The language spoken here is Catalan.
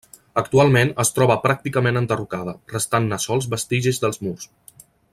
Actualment es troba pràcticament enderrocada, restant-ne sols vestigis dels murs.